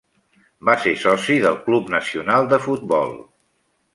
Va ser soci del Club Nacional de Futbol.